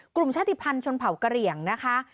กลุ่มชาติภัณฑ์ชนเผ่ากระเหลี่ยงนะคะ